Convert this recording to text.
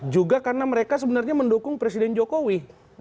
juga karena mereka sebenarnya mendukung presiden jokowi